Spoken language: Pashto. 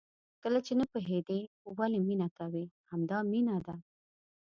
کله چې نه پوهېدې ولې مینه کوې؟ همدا مینه ده.